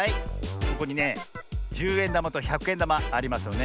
ここにねじゅうえんだまとひゃくえんだまありますよね。